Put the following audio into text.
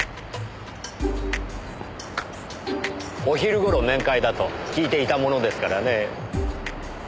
お昼頃面会だと聞いていたものですからねえ。